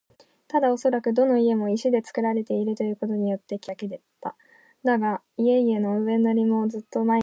ただおそらくどの家も石でつくられているということによってきわだって見えるだけだった。だが、家々の上塗りもずっと前にはげ落ち、